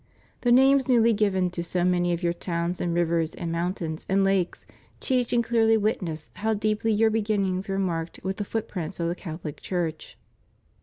The names newly given to so many of your towns and rivers and mountains and lakes teach and clearly witness how deeply your beginnings were marked with the footprints of the Cath olic Church.